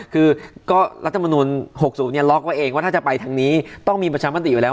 คือก็รัฐมนุน๖๐เนี่ยล็อกไว้เองว่าถ้าจะไปทางนี้ต้องมีประชามติอยู่แล้ว